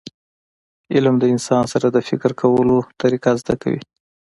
علم د انسان سره د فکر کولو طریقه زده کوي.